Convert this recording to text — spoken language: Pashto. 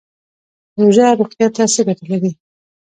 روژه روغتیا ته څه ګټه لري؟